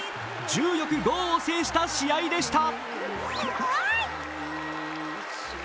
柔よく剛を制した試合でした。